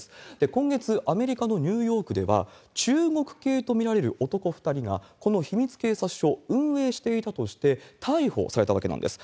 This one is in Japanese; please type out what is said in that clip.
今月、アメリカのニューヨークでは、中国系と見られる男２人が、この秘密警察署、運営していたとして、逮捕されたわけなんです。